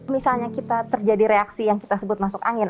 misalnya kita terjadi reaksi yang kita sebut masuk angin